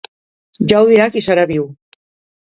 Ja ho dirà qui serà viu.